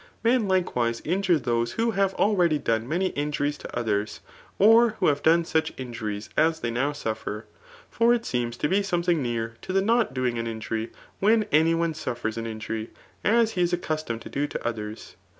Men likewise injure those who have already done many injuries to oth^^ or who have done such injuries as th^y now suffer. For it seems to be something near 1(0 the not doing an injury, when any one suffers such aa isjury, as he is accustomed to do to others.